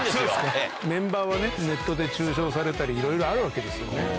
メンバーはネットで中傷されたりいろいろあるわけですよね。